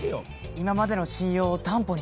今までの信用を担保に。